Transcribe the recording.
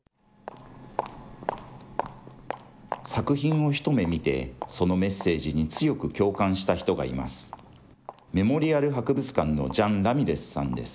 作品を一目見て、そのメッセージに強く共感した人がいます。